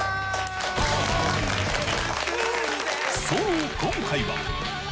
そう今回は。